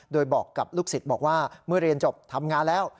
โดยบอกกับลูกศิษย์บอกว่าเมื่อเรียนจบทำงานแล้ว